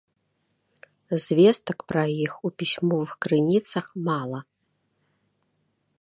Звестак пра іх у пісьмовых крыніцах мала.